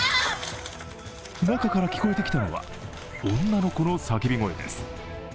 中から聞こえてきたのは女の子の叫び声です。